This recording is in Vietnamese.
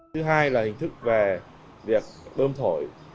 thứ hai là hình thức về việc bơm thổi